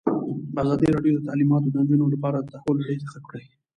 ازادي راډیو د تعلیمات د نجونو لپاره د تحول لړۍ تعقیب کړې.